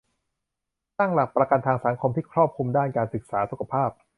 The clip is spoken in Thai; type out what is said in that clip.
สร้างหลักประกันทางสังคมที่ครอบคลุมด้านการศึกษา สุขภาพ